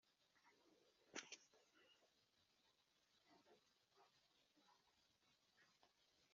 iyo nzira nyabagendwa ikaba yagira imihanda itandukanyijwe buryo bigaragara n’ubutaka bwayo cyangwa ubusumbane: